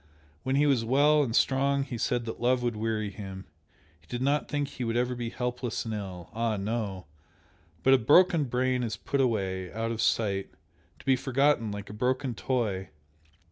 when he was well and strong he said that love would weary him he did not think he would ever be helpless and ill! ah, no! but a broken brain is put away out of sight to be forgotten like a broken toy!